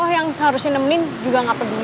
toh yang seharusnya nemenin juga gak peduli